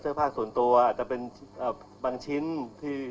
เสื้อผ้าส่วนตัวอาจจะเป็นอ่าบางชิ้นที่